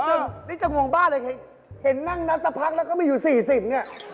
ซึ่งนี่จะงงบ้าเลยเห็นนั่งนับสักพักแล้วก็มีอยู่๔๐เนี่ย